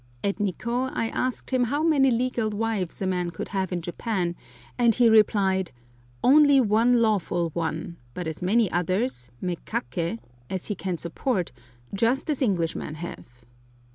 At Nikkô I asked him how many legal wives a man could have in Japan, and he replied, "Only one lawful one, but as many others (mekaké) as he can support, just as Englishmen have."